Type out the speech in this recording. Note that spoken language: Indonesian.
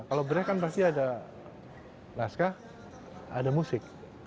kalau break kan pasti ada naskah ada musik